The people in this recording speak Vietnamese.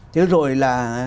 thế rồi là